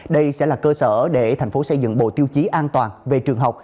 đây sẽ là cơ sở để thành phố xây dựng bộ tiêu chí an toàn về trường học